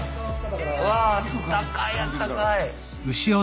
うわあったかいあったかい。